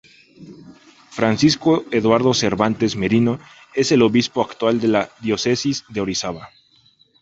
Francisco Eduardo Cervantes Merino es el obispo actual de la Diócesis de Orizaba.